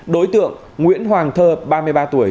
đối tượng nguyễn hoàng thơ ba mươi ba tuổi